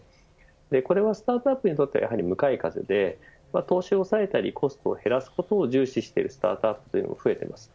これはスタートアップにとっては向かい風で投資を抑えたり、コストを減らすことを重視しているスタートアップも増えています。